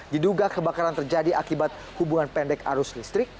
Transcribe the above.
diduga kebakaran terjadi akibat hubungan pendek arus listrik